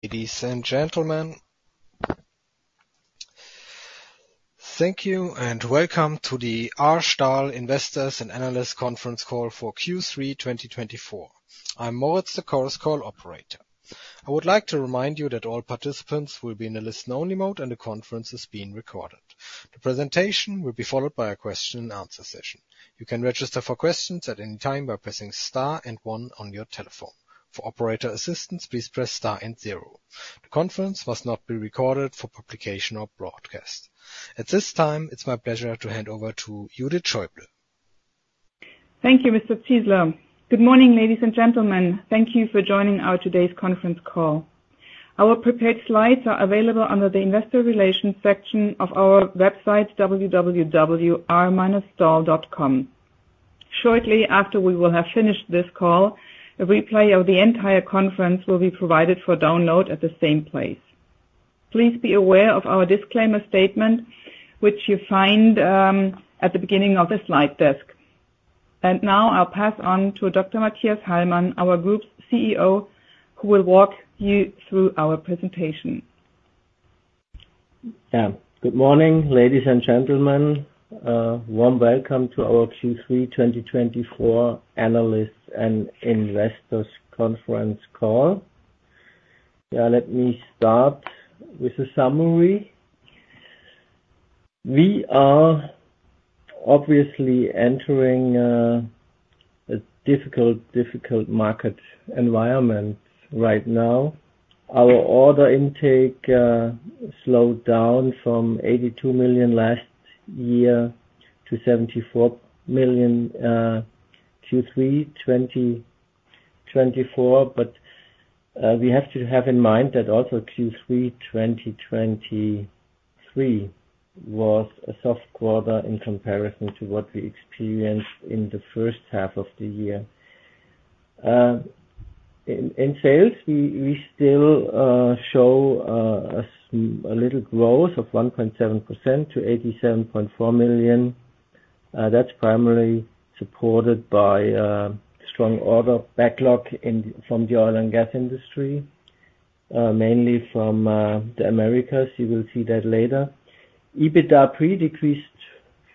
Ladies and gentlemen, thank you and welcome to the R. STAHL Investors and Analysts Conference Call for Q3 2024. I'm Moritz, the call operator. I would like to remind you that all participants will be in a listen-only mode, and the conference is being recorded. The presentation will be followed by a question-and-answer session. You can register for questions at any time by pressing star and 1 on your telephone. For operator assistance, please press star and 0. The conference must not be recorded for publication or broadcast. At this time, it's my pleasure to hand over to Judith Schäuble. Thank you, Mr. Zeisler. Good morning, ladies and gentlemen. Thank you for joining our today's conference call. Our prepared slides are available under the Investor Relations section of our website, www.r-stahl.com. Shortly after we will have finished this call, a replay of the entire conference will be provided for download at the same place. Please be aware of our disclaimer statement, which you find at the beginning of the slide deck. And now I'll pass on to Dr. Mathias Hallmann, our group's CEO, who will walk you through our presentation. Yeah. Good morning, ladies and gentlemen. Warm welcome to our Q3 2024 Analysts and Investors Conference Call. Yeah, let me start with a summary. We are obviously entering a difficult, difficult market environment right now. Our order intake slowed down from 82 million last year to 74 million Q3 2024. But we have to have in mind that also Q3 2023 was a soft quarter in comparison to what we experienced in the first half of the year. In sales, we still show a little growth of 1.7% to 87.4 million. That's primarily supported by strong order backlog from the oil and gas industry, mainly from the Americas. You will see that later. EBITDA pre decreased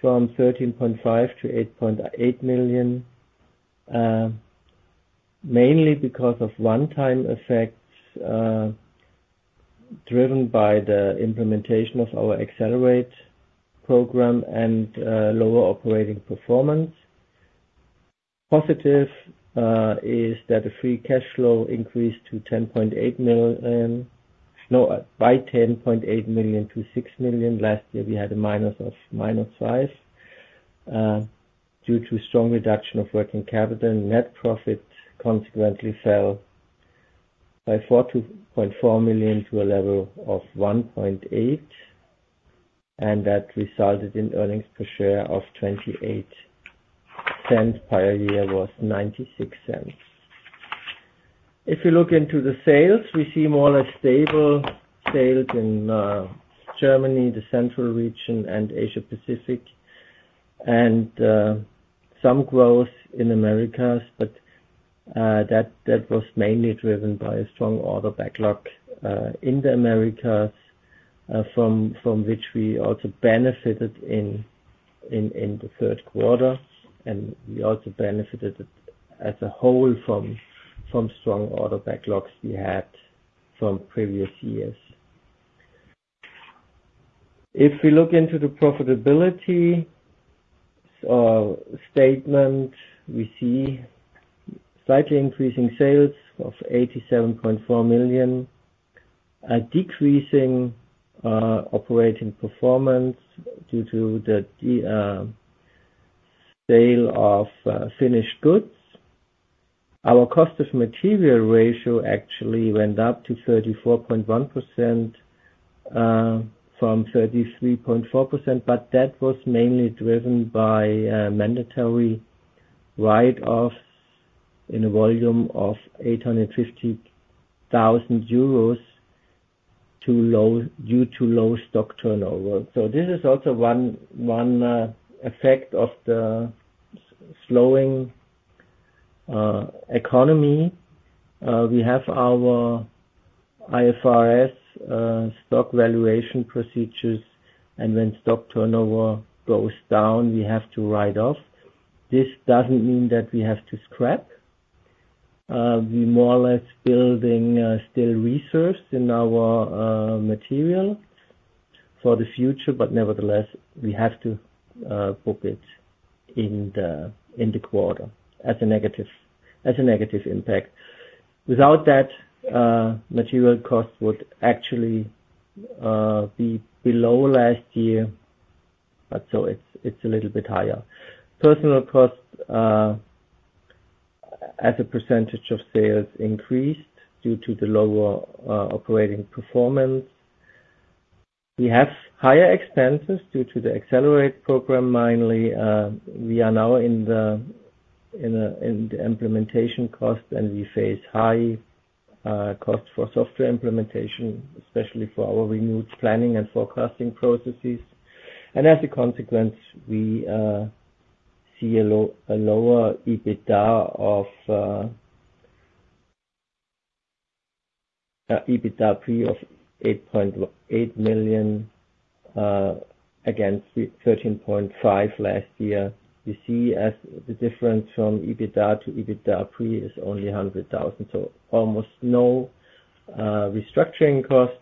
from 13.5 million to 8.8 million, mainly because of one-time effects driven by the implementation of our EXCELERATE program and lower operating performance. Positive is that the free cash flow increased to 10.8 million—no, by 10.8 million to 6 million. Last year, we had a minus of minus 5 million due to strong reduction of working capital. Net profit consequently fell by 4.4 million to a level of 1.8 million, and that resulted in earnings per share of 0.28. Prior year was 0.96. If you look into the sales, we see more or less stable sales in Germany, the Central Region, and Asia-Pacific, and some growth in the Americas. But that was mainly driven by a strong order backlog in the Americas, from which we also benefited in the third quarter. And we also benefited as a whole from strong order backlogs we had from previous years. If we look into the profitability statement, we see slightly increasing sales of 87.4 million, a decreasing operating performance due to the sale of finished goods. Our cost of material ratio actually went up to 34.1% from 33.4%, but that was mainly driven by mandatory write-offs in a volume of 850,000 euros due to low stock turnover. So this is also one effect of the slowing economy. We have our IFRS stock valuation procedures, and when stock turnover goes down, we have to write off. This doesn't mean that we have to scrap. We're more or less building still reserves in our material for the future, but nevertheless, we have to book it in the quarter as a negative impact. Without that, material costs would actually be below last year, but so it's a little bit higher. Personal costs as a percentage of sales increased due to the lower operating performance. We have higher expenses due to the EXCELERATE program, mainly. We are now in the implementation cost, and we face high cost for software implementation, especially for our renewed planning and forecasting processes, and as a consequence, we see a lower EBITDA of 8.8 million against 13.5 million last year. You see the difference from EBITDA to EBITDA pre is only 100,000, so almost no restructuring cost.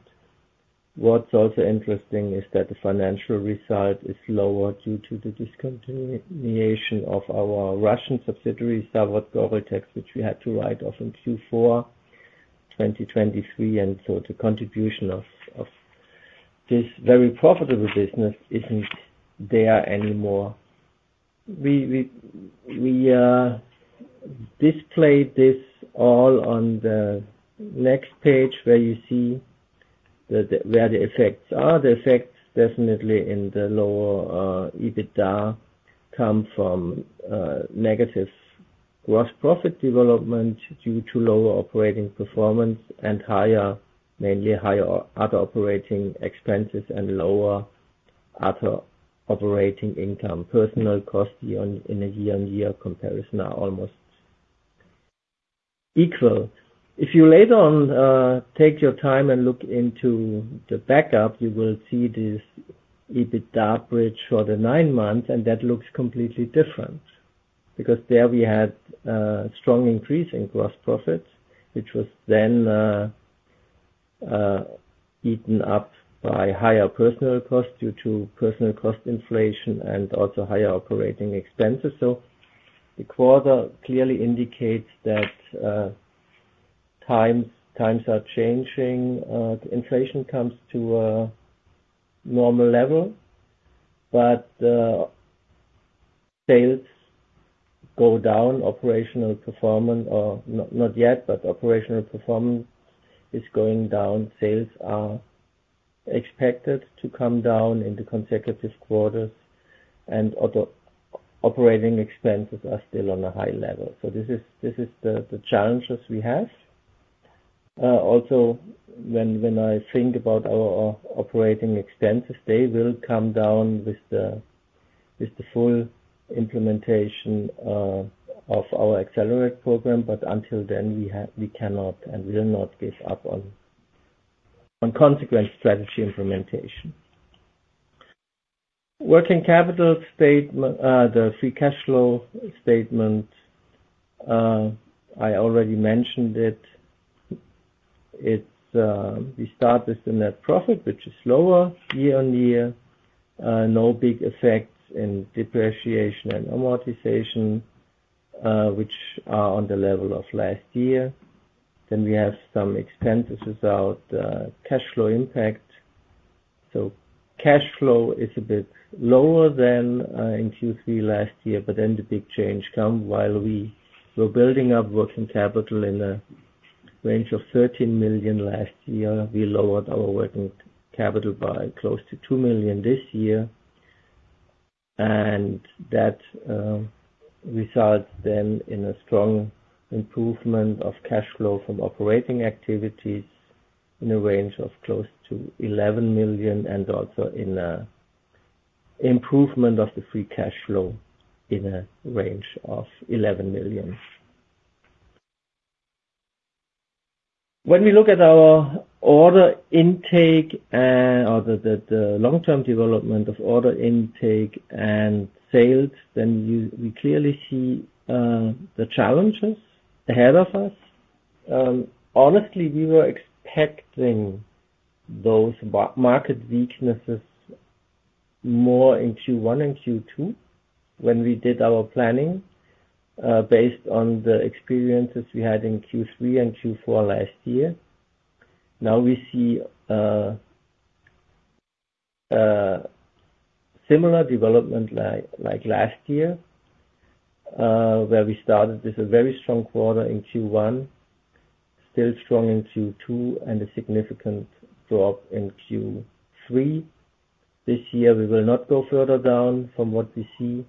What's also interesting is that the financial result is lower due to the discontinuation of our Russian subsidiary, Zavod Goreltex, which we had to write off in Q4 2023, and so the contribution of this very profitable business isn't there anymore. We display this all on the next page where you see where the effects are. The effects definitely in the lower EBITDA come from negative gross profit development due to lower operating performance and mainly higher other operating expenses and lower other operating income. Personnel costs in a year-on-year comparison are almost equal. If you later on take your time and look into the backup, you will see this EBITDA bridge for the nine months, and that looks completely different because there we had a strong increase in gross profits, which was then eaten up by higher personnel costs due to personnel cost inflation and also higher operating expenses. So the quarter clearly indicates that times are changing. Inflation comes to a normal level, but sales go down. Operational performance, not yet, but operational performance is going down. Sales are expected to come down in the consecutive quarters, and operating expenses are still on a high level. So this is the challenges we have. Also, when I think about our operating expenses, they will come down with the full implementation of our EXCELERATE program, but until then, we cannot and will not give up on consequent strategy implementation. Working capital statement, the free cash flow statement, I already mentioned it. We start with the net profit, which is lower year-on-year. No big effects in depreciation and amortization, which are on the level of last year. Then we have some expenses without cash flow impact. So cash flow is a bit lower than in Q3 last year, but then the big change comes while we were building up working capital in a range of 13 million last year. We lowered our working capital by close to 2 million this year, and that results then in a strong improvement of cash flow from operating activities in a range of close to 11 million and also in an improvement of the free cash flow in a range of 11 million. When we look at our order intake or the long-term development of order intake and sales, then we clearly see the challenges ahead of us. Honestly, we were expecting those market weaknesses more in Q1 and Q2 when we did our planning based on the experiences we had in Q3 and Q4 last year. Now we see similar development like last year where we started with a very strong quarter in Q1, still strong in Q2, and a significant drop in Q3. This year, we will not go further down from what we see.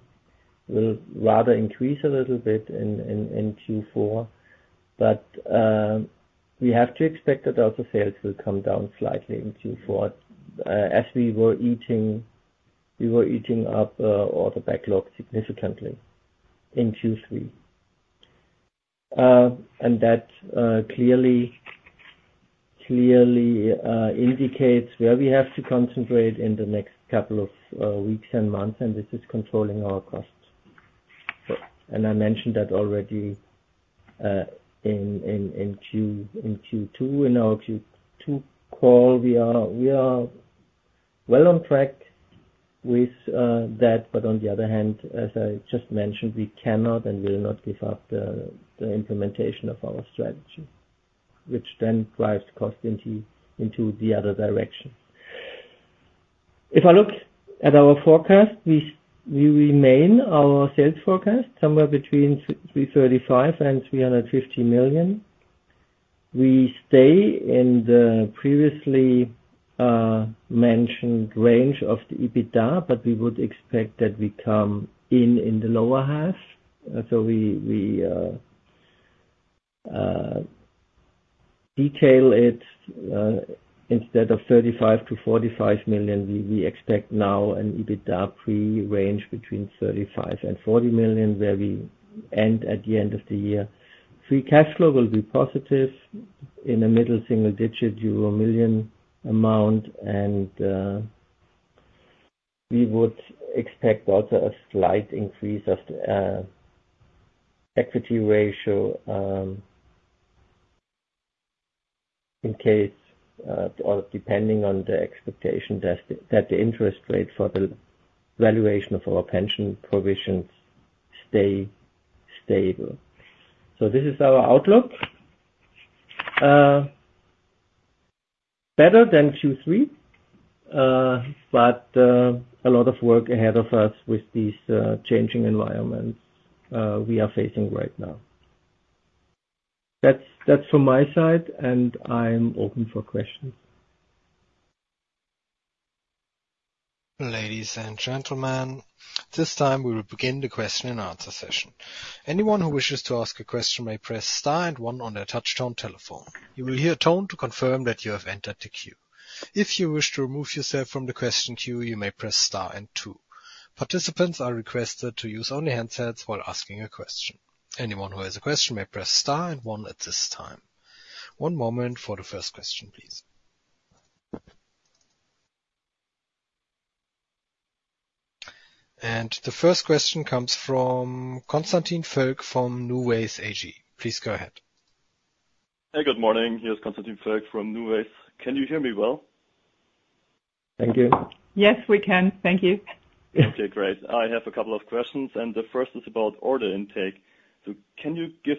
We'll rather increase a little bit in Q4, but we have to expect that also sales will come down slightly in Q4 as we were eating up order backlog significantly in Q3, and that clearly indicates where we have to concentrate in the next couple of weeks and months, and this is controlling our costs. I mentioned that already in Q2. In our Q2 call, we are well on track with that, but on the other hand, as I just mentioned, we cannot and will not give up the implementation of our strategy, which then drives cost into the other direction. If I look at our forecast, we remain our sales forecast somewhere between 335 million and 350 million. We stay in the previously mentioned range of the EBITDA, but we would expect that we come in in the lower half. So, we detail it instead of 35 million to 45 million. We expect now an EBITDA pre range between 35 million and 40 million where we end at the end of the year. Free cash flow will be positive in a middle single-digit euro million amount, and we would expect also a slight increase of the equity ratio in case, depending on the expectation, that the interest rate for the valuation of our pension provisions stay stable, so this is our outlook. Better than Q3, but a lot of work ahead of us with these changing environments we are facing right now. That's from my side, and I'm open for questions. Ladies and gentlemen, at this time, we will begin the question and answer session. Anyone who wishes to ask a question may press star and 1 on their touch-tone telephone. You will hear a tone to confirm that you have entered the queue. If you wish to remove yourself from the question queue, you may press star and 2. Participants are requested to use only handsets while asking a question. Anyone who has a question may press star and 1 at this time. One moment for the first question, please, and the first question comes from Konstantin Völk from NuWays AG. Please go ahead. Hey, good morning. Here's Konstantin Völk from NuWays. Can you hear me well? Thank you. Yes, we can. Thank you. Okay, great. I have a couple of questions, and the first is about order intake. So can you give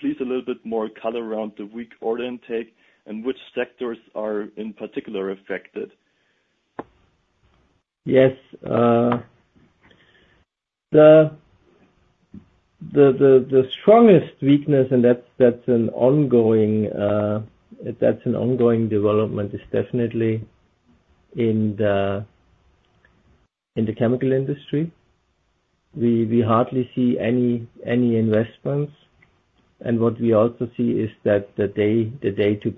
please a little bit more color around the weak order intake and which sectors are in particular affected? Yes. The strongest weakness, and that's an ongoing development, is definitely in the chemical industry. We hardly see any investments, and what we also see is that the day-to-day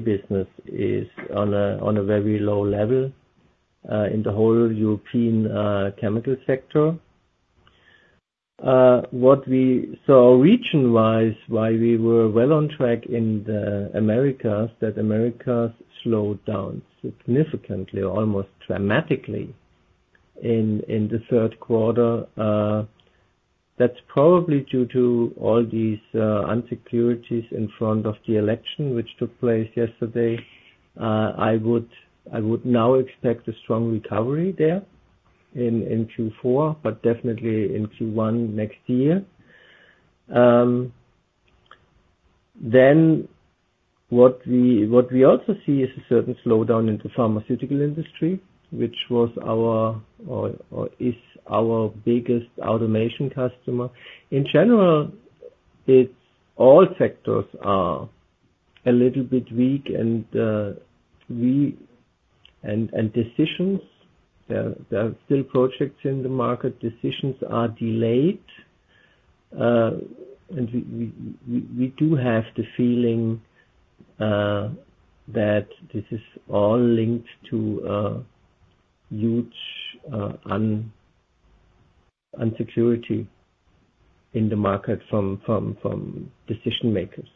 business is on a very low level in the whole European chemical sector. So region-wise, why we were well on track in the Americas is that Americas slowed down significantly, almost dramatically, in the third quarter. That's probably due to all these uncertainties in front of the election, which took place yesterday. I would now expect a strong recovery there in Q4, but definitely in Q1 next year. Then what we also see is a certain slowdown in the pharmaceutical industry, which was our or is our biggest automation customer. In general, all sectors are a little bit weak, and decisions, there are still projects in the market, decisions are delayed. We do have the feeling that this is all linked to huge uncertainty in the market from decision-makers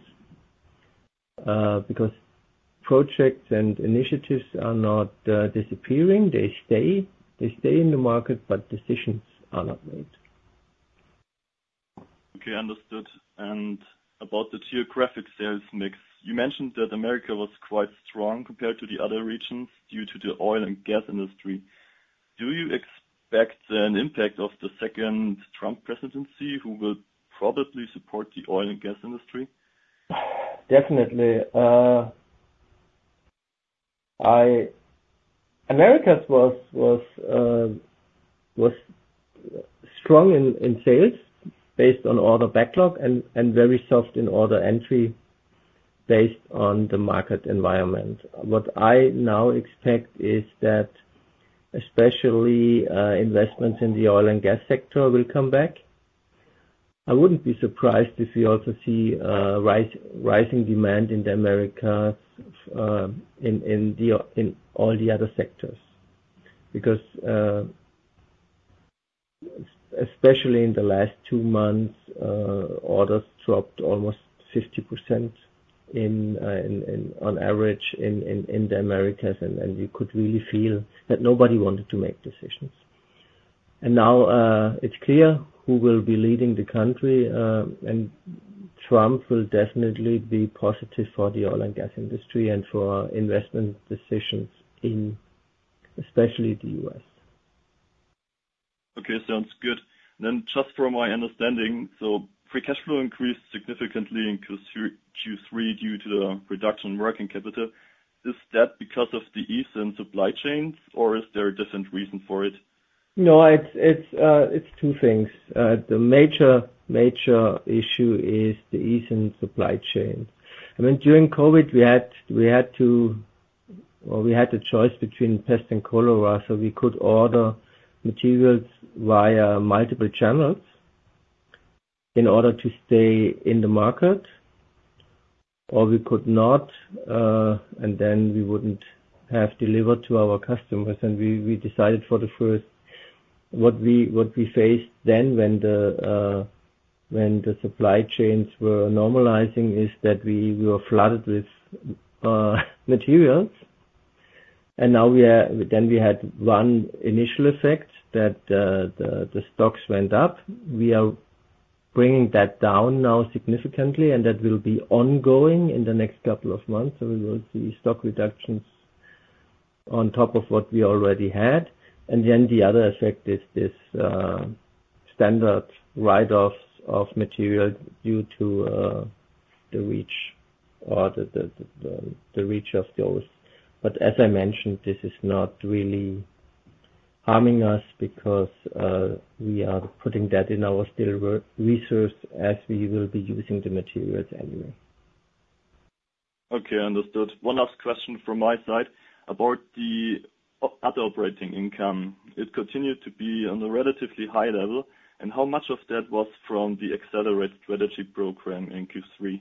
because projects and initiatives are not disappearing. They stay in the market, but decisions are not made. Okay, understood. About the geographic sales mix, you mentioned that Americas was quite strong compared to the other regions due to the oil and gas industry. Do you expect an impact of the second Trump presidency who will probably support the oil and gas industry? Definitely. The Americas were strong in sales based on order backlog and very soft in order entry based on the market environment. What I now expect is that especially investments in the oil and gas sector will come back. I wouldn't be surprised if we also see rising demand in the Americas in all the other sectors because especially in the last two months, orders dropped almost 50% on average in the Americas, and you could really feel that nobody wanted to make decisions, and now it's clear who will be leading the country, and Trump will definitely be positive for the oil and gas industry and for investment decisions in especially the U.S. Okay, sounds good. Then just from my understanding, so free cash flow increased significantly in Q3 due to the reduction in working capital. Is that because of the ease in supply chains, or is there a different reason for it? No, it's two things. The major issue is the easing in supply chains. I mean, during COVID, we had a choice between plague and cholera, so we could order materials via multiple channels in order to stay in the market, or we could not, and then we wouldn't have delivered to our customers. We decided for the first. What we faced then when the supply chains were normalizing is that we were flooded with materials. Now then we had one initial effect that the stocks went up. We are bringing that down now significantly, and that will be ongoing in the next couple of months. We will see stock reductions on top of what we already had. The other effect is this standard write-offs of material due to the reach of those. But as I mentioned, this is not really harming us because we are putting that in our resource as we will be using the materials anyway. Okay, understood. One last question from my side about the other operating income. It continued to be on a relatively high level, and how much of that was from the EXCELERATE strategy program in Q3?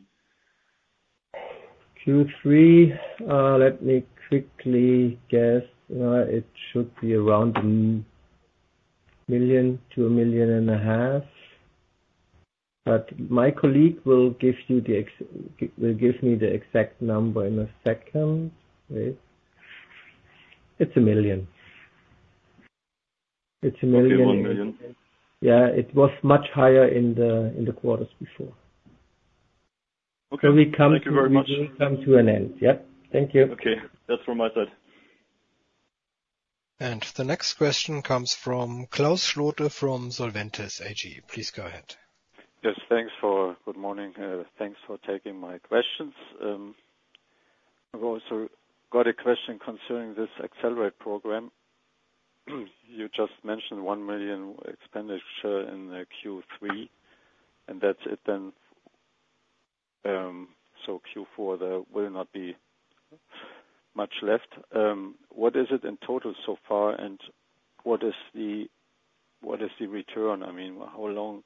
Q3, let me quickly guess. It should be around 1 million to 1.5 million, but my colleague will give me the exact number in a second. It's EUR 1 million. It's 1 million. It's over a million. Yeah. It was much higher in the quarters before. So we come to an end. Okay. Thank you very much. Yep. Thank you. Okay. That's from my side. The next question comes from Klaus Schlote from Solventis AG. Please go ahead. Yes. Thanks. Good morning. Thanks for taking my questions. I've also got a question concerning this EXCELERATE program. You just mentioned 1 million expenditure in Q3, and that's it then. So Q4, there will not be much left. What is it in total so far, and what is the return? I mean, how long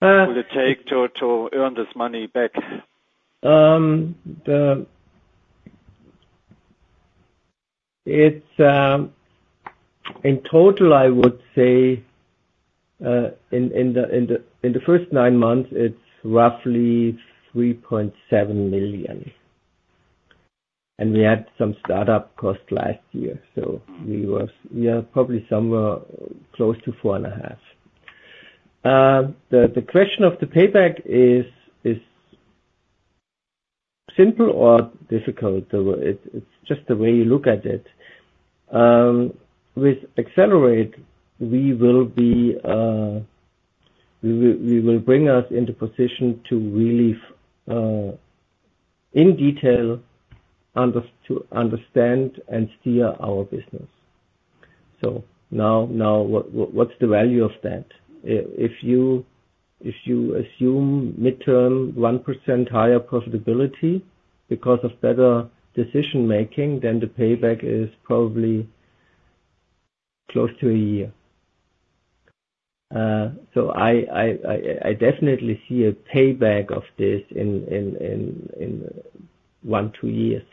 will it take to earn this money back? In total, I would say in the first nine months, it's roughly 3.7 million. And we had some startup cost last year, so we are probably somewhere close to 4.5 million. The question of the payback is simple or difficult? It's just the way you look at it. With EXCELERATE, we will bring us into position to really, in detail, understand and steer our business. So now, what's the value of that? If you assume midterm 1% higher profitability because of better decision-making, then the payback is probably close to a year. So I definitely see a payback of this in one, two years.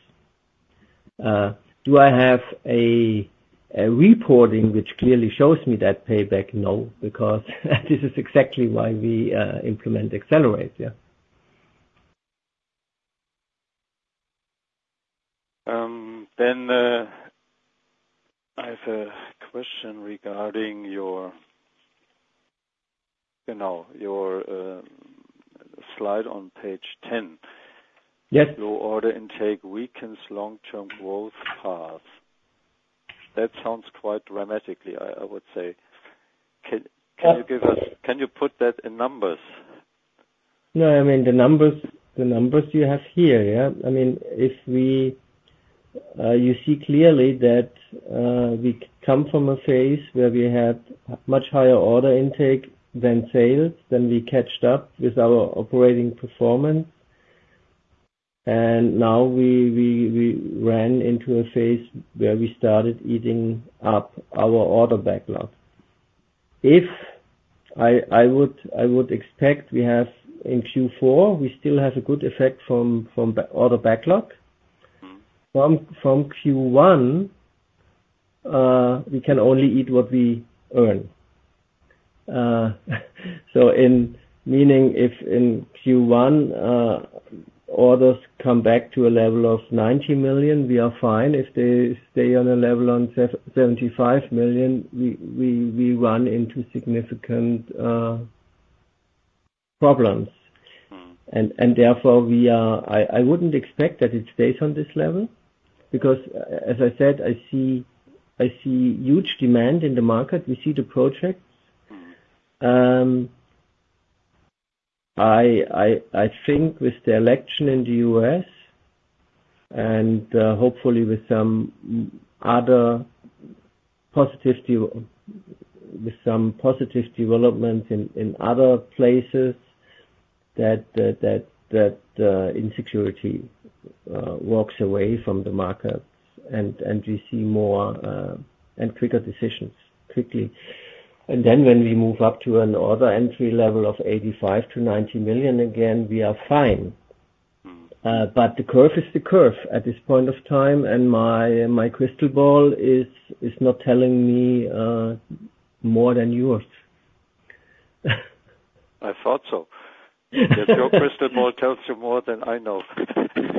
Do I have a reporting which clearly shows me that payback? No, because this is exactly why we implement EXCELERATE. Yeah. Then I have a question regarding your slide on page 10. Your order intake weakens long-term growth path. That sounds quite dramatic, I would say. Can you put that in numbers? No, I mean, the numbers you have here, yeah. I mean, you see clearly that we come from a phase where we had much higher order intake than sales, then we caught up with our operating performance, and now we ran into a phase where we started eating up our order backlog. I would expect we have in Q4, we still have a good effect from order backlog. From Q1, we can only eat what we earn. So meaning if in Q1, orders come back to a level of 90 million, we are fine. If they stay on a level of 75 million, we run into significant problems. Therefore, I wouldn't expect that it stays on this level because, as I said, I see huge demand in the market. We see the projects. I think with the election in the U.S. and hopefully with some positive developments in other places, that insecurity walks away from the market and we see more and quicker decisions quickly. And then when we move up to an order entry level of 85-90 million EUR again, we are fine. But the curve is the curve at this point of time, and my crystal ball is not telling me more than yours. I thought so. That your crystal ball tells you more than I know.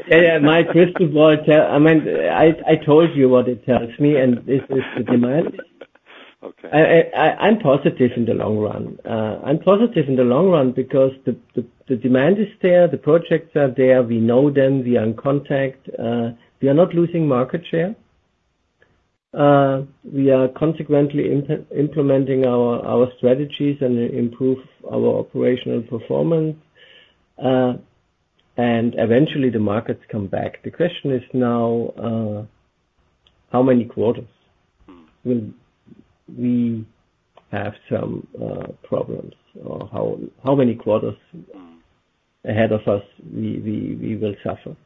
Yeah, yeah. My crystal ball tells, I mean, I told you what it tells me, and this is the demand. I'm positive in the long run. I'm positive in the long run because the demand is there, the projects are there, we know them, we are in contact. We are not losing market share. We are consequently implementing our strategies and improving our operational performance, and eventually, the markets come back. The question is now how many quarters we have some problems or how many quarters ahead of us we will suffer.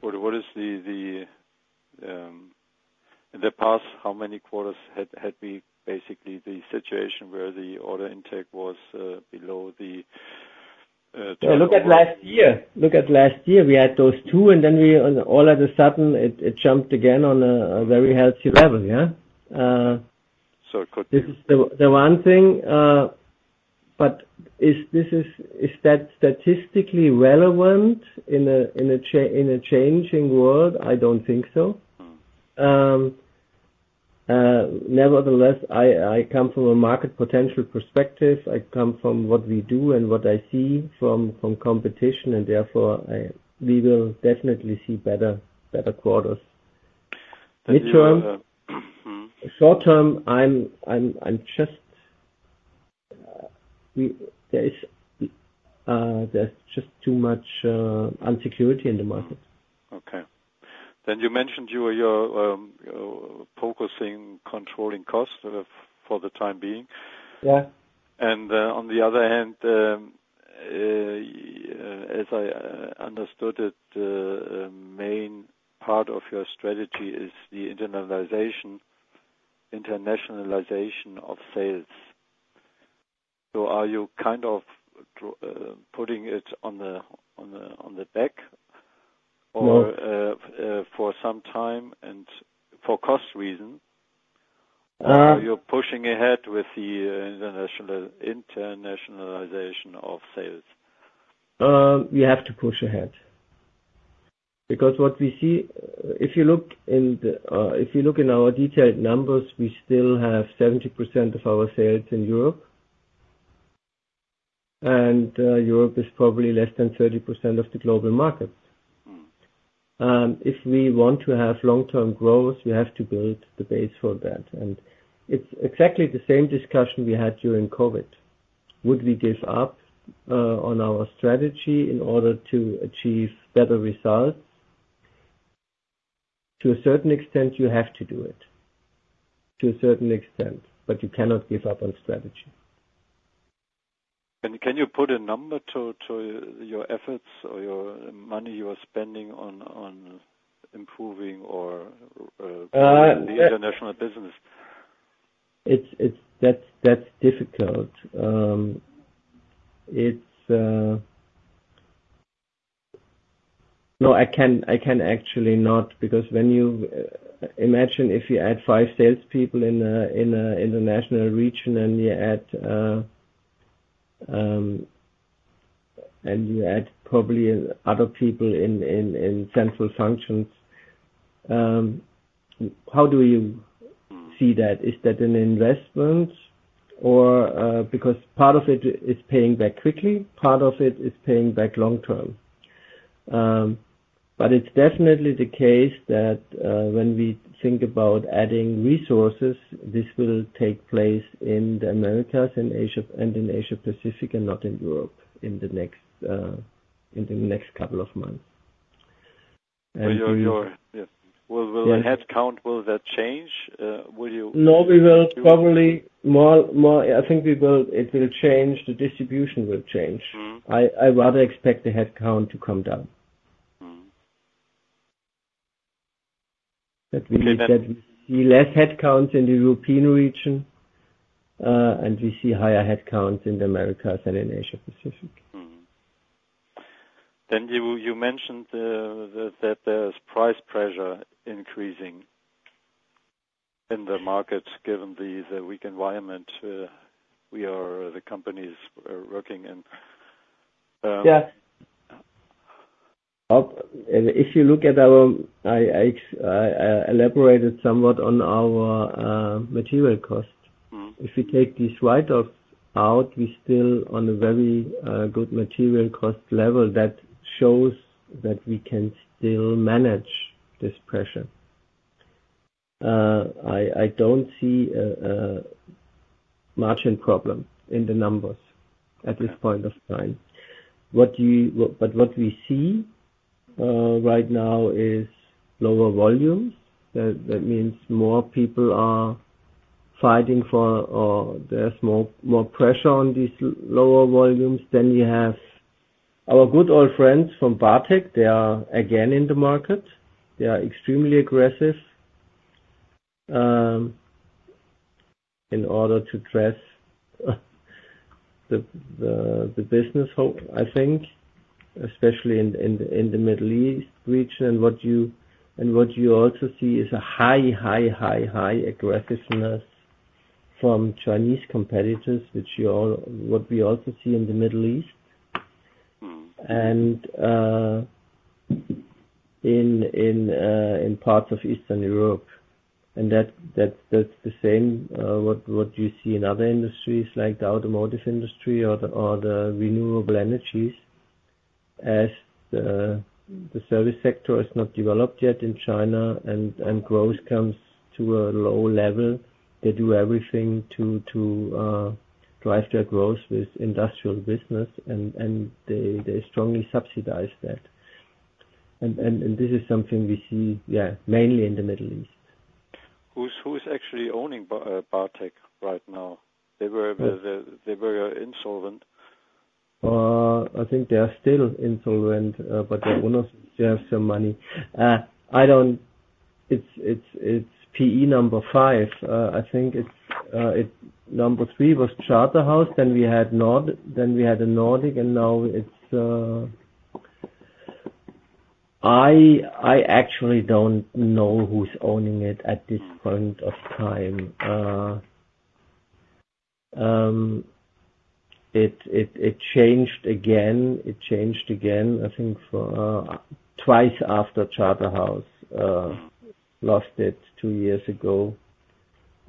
What is the past? How many quarters had we basically the situation where the order intake was below the? Look at last year. Look at last year. We had those two, and then all of a sudden, it jumped again on a very healthy level. Yeah. It could be. This is the one thing, but is that statistically relevant in a changing world? I don't think so. Nevertheless, I come from a market potential perspective. I come from what we do and what I see from competition, and therefore, we will definitely see better quarters. Midterm, short term, I'm just, there's just too much uncertainty in the market. Okay, then you mentioned you are focusing on controlling costs for the time being. Yeah. And on the other hand, as I understood it, the main part of your strategy is the internationalization of sales. So are you kind of putting it on the back for some time and for cost reason? Are you pushing ahead with the internationalization of sales? We have to push ahead because what we see, if you look in our detailed numbers, we still have 70% of our sales in Europe, and Europe is probably less than 30% of the global market. If we want to have long-term growth, we have to build the base for that. And it's exactly the same discussion we had during COVID. Would we give up on our strategy in order to achieve better results? To a certain extent, you have to do it. To a certain extent, but you cannot give up on strategy. Can you put a number to your efforts or your money you are spending on improving or the international business? That's difficult. No, I can actually not because when you imagine if you add five salespeople in an international region and you add probably other people in central functions, how do you see that? Is that an investment? Because part of it is paying back quickly. Part of it is paying back long term. But it's definitely the case that when we think about adding resources, this will take place in the Americas and in Asia-Pacific and not in Europe in the next couple of months. Yes. Will the headcount change? Will you? No, we will probably, I think it will change. The distribution will change. I rather expect the headcount to come down. That we see less headcounts in the European region, and we see higher headcounts in the Americas and in Asia-Pacific. You mentioned that there is price pressure increasing in the markets given the weak environment the companies are working in? Yeah. If you look at our, I elaborated somewhat on our material cost. If we take these write-offs out, we're still on a very good material cost level that shows that we can still manage this pressure. I don't see a margin problem in the numbers at this point of time. But what we see right now is lower volumes. That means more people are fighting for, there's more pressure on these lower volumes. Then you have our good old friends from BARTEC. They are again in the market. They are extremely aggressive in order to dress the business, I think, especially in the Middle East region. And what you also see is a high, high, high, high aggressiveness from Chinese competitors, which is what we also see in the Middle East and in parts of Eastern Europe. That's the same what you see in other industries like the automotive industry or the renewable energies. As the service sector is not developed yet in China and growth comes to a low level, they do everything to drive their growth with industrial business, and they strongly subsidize that. This is something we see, yeah, mainly in the Middle East. Who's actually owning BARTEC right now? They were insolvent. I think they are still insolvent, but they have some money. It's PE number five. I think number three was Charterhouse. Then we had Nordic, and now it's, I actually don't know who's owning it at this point of time. It changed again, I think, twice after Charterhouse. Lost it two years ago.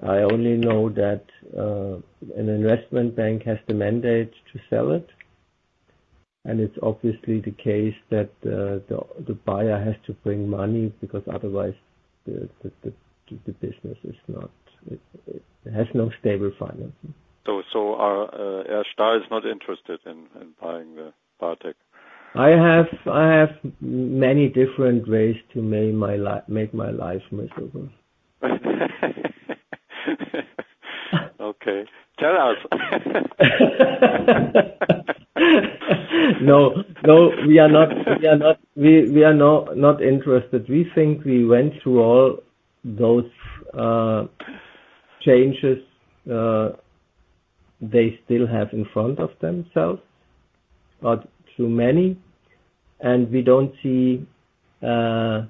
I only know that an investment bank has the mandate to sell it, and it's obviously the case that the buyer has to bring money because otherwise, the business has no stable financing. R. STAHL is not interested in buying the BARTEC? I have many different ways to make my life miserable. Okay. Tell us. No, no. We are not interested. We think we went through all those changes they still have in front of themselves, but too many. And we are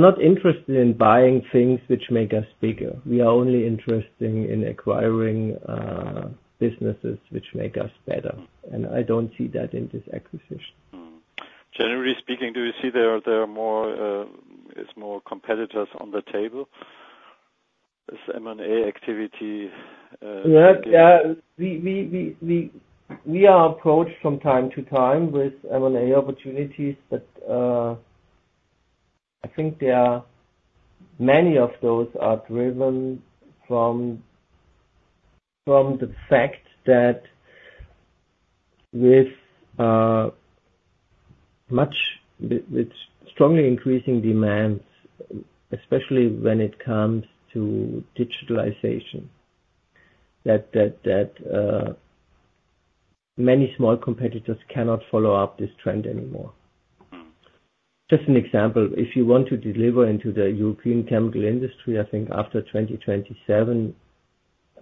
not interested in buying things which make us bigger. We are only interested in acquiring businesses which make us better. And I don't see that in this acquisition. Generally speaking, do you see there are more competitors on the table? Is M&A activity? Yeah. We are approached from time to time with M&A opportunities, but I think many of those are driven from the fact that with strongly increasing demands, especially when it comes to digitalization, that many small competitors cannot follow up this trend anymore. Just an example, if you want to deliver into the European chemical industry, I think after 2027,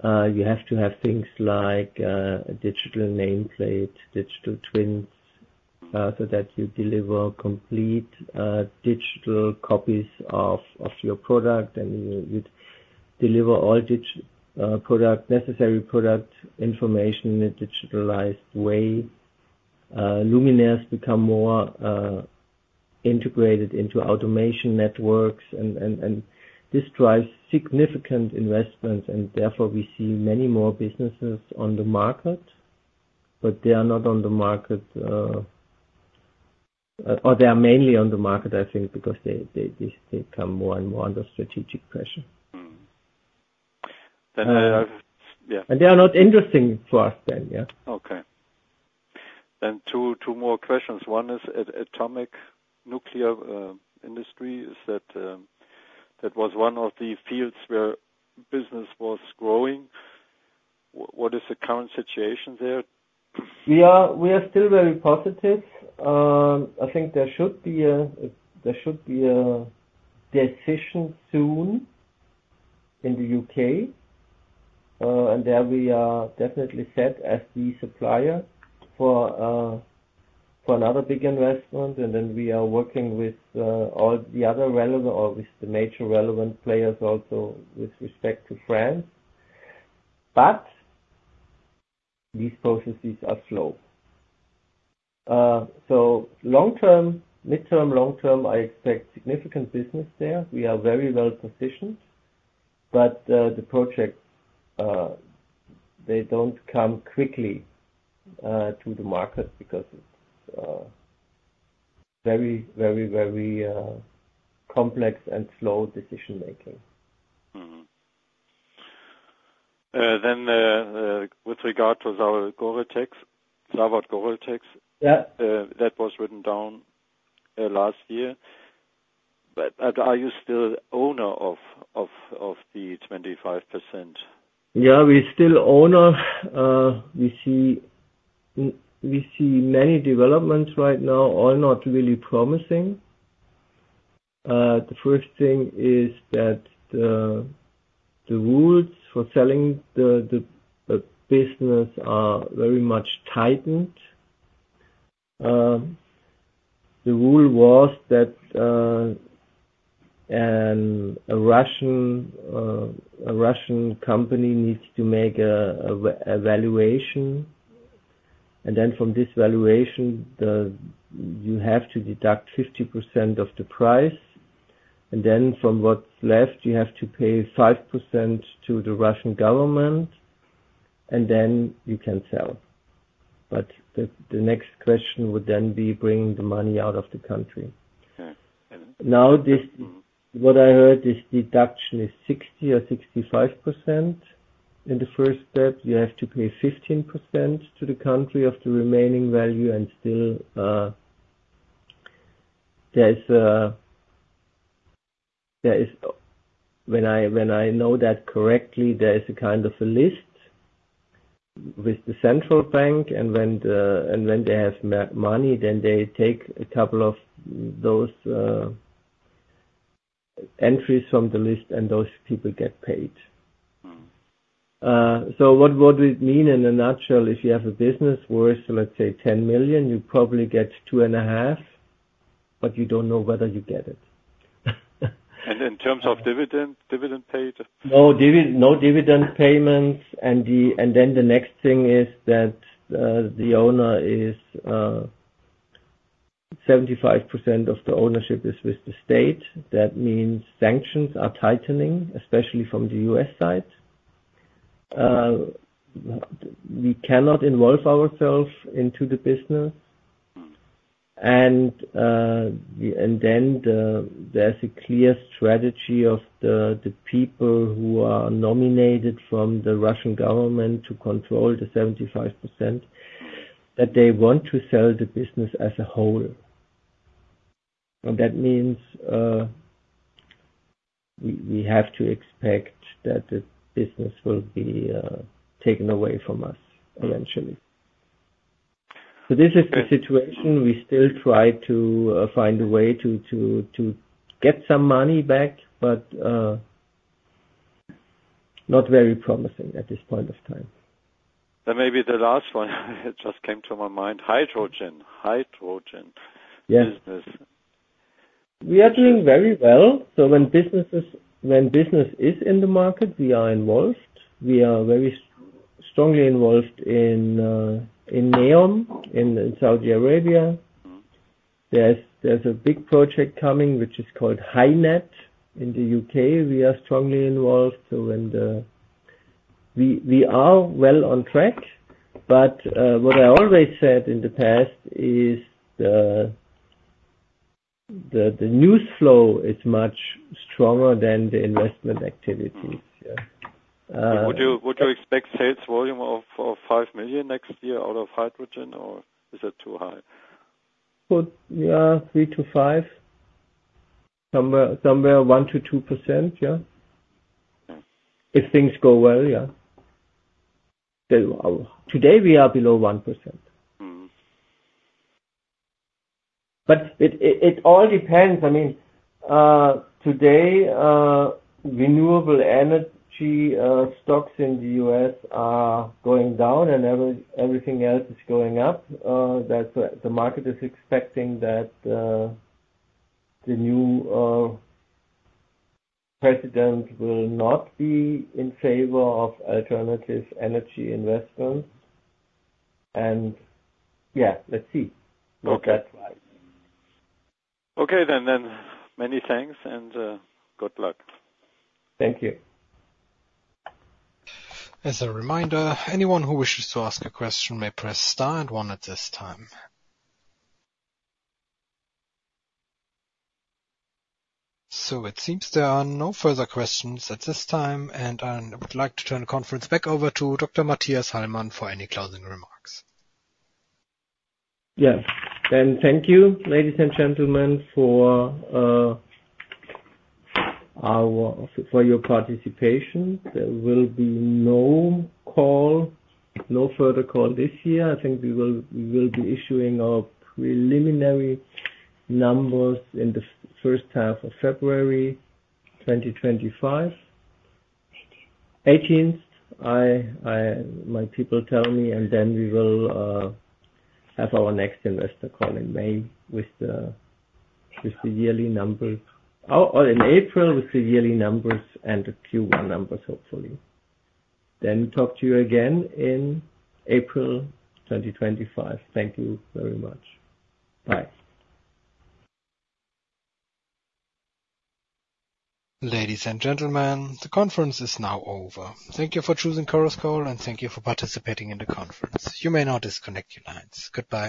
you have to have things like a digital nameplate, digital twins, so that you deliver complete digital copies of your product, and you deliver all necessary product information in a digitalized way. Luminaires become more integrated into automation networks, and this drives significant investments, and therefore we see many more businesses on the market, but they are not on the market, or they are mainly on the market, I think, because they come more and more under strategic pressure. Then they have. They are not interesting for us then. Yeah. Okay. Then two more questions. One is atomic nuclear industry. That was one of the fields where business was growing. What is the current situation there? Yeah. We are still very positive. I think there should be a decision soon in the UK. And there we are definitely set as the supplier for another big investment. And then we are working with all the other relevant or with the major relevant players also with respect to France. But these processes are slow. So long term, midterm, long term, I expect significant business there. We are very well positioned, but the projects, they don't come quickly to the market because it's very, very, very complex and slow decision-making. Then with regard to Zavod Goreltex, that was written down last year. But are you still owner of the 25%? Yeah. We're still owners. We see many developments right now, all not really promising. The first thing is that the rules for selling the business are very much tightened. The rule was that a Russian company needs to make a valuation, and then from this valuation, you have to deduct 50% of the price, and then from what's left, you have to pay 5% to the Russian government, and then you can sell, but the next question would then be bringing the money out of the country. Now, what I heard is deduction is 60% or 65%. In the first step, you have to pay 15% to the country of the remaining value, and still, when I know that correctly, there is a kind of a list with the central bank. When they have money, then they take a couple of those entries from the list, and those people get paid. What would it mean in a nutshell? If you have a business worth, let's say, 10 million, you probably get 2.5 million, but you don't know whether you get it. In terms of dividend paid? No dividend payments. And then the next thing is that the owner is 75% of the ownership is with the state. That means sanctions are tightening, especially from the U.S. side. We cannot involve ourselves into the business. And then there's a clear strategy of the people who are nominated from the Russian government to control the 75% that they want to sell the business as a whole. And that means we have to expect that the business will be taken away from us eventually. So this is the situation. We still try to find a way to get some money back, but not very promising at this point of time. Then maybe the last one just came to my mind. Hydrogen. Hydrogen business. We are doing very well. So when business is in the market, we are involved. We are very strongly involved in NEOM in Saudi Arabia. There's a big project coming, which is called HyNet in the UK. We are strongly involved. So we are well on track. But what I always said in the past is the news flow is much stronger than the investment activities. Would you expect sales volume of 5 million next year out of hydrogen, or is that too high? Yeah. 3 to 5. Somewhere 1%-2%, yeah, if things go well. Yeah. Today, we are below 1%. But it all depends. I mean, today, renewable energy stocks in the U.S. are going down, and everything else is going up. The market is expecting that the new president will not be in favor of alternative energy investments. And yeah, let's see if that's right. Okay. Then many thanks and good luck. Thank you. As a reminder, anyone who wishes to ask a question may press star one at this time. So it seems there are no further questions at this time. And I would like to turn the conference back over to Dr. Mathias Hallmann for any closing remarks. Yes. Then thank you, ladies and gentlemen, for your participation. There will be no further call this year. I think we will be issuing our preliminary numbers in the first half of February 2025. 18th. 18th, my people tell me. And then we will have our next investor call in May with the yearly numbers. In April, with the yearly numbers and the Q1 numbers, hopefully. Then talk to you again in April 2025. Thank you very much. Bye. Ladies and gentlemen, the conference is now over. Thank you for choosing Chorus Call, and thank you for participating in the conference. You may now disconnect your lines. Goodbye.